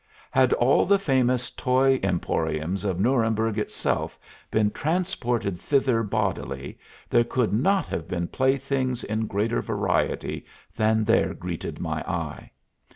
Had all the famous toy emporiums of Nuremberg itself been transported thither bodily, there could not have been playthings in greater variety than there greeted my eye.